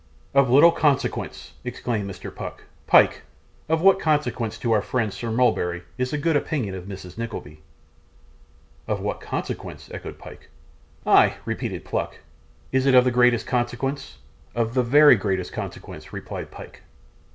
'Of little consequence!' exclaimed Mr. Pluck. 'Pyke, of what consequence to our friend, Sir Mulberry, is the good opinion of Mrs. Nickleby?' 'Of what consequence?' echoed Pyke. 'Ay,' repeated Pluck; 'is it of the greatest consequence?' 'Of the very greatest consequence,' replied Pyke.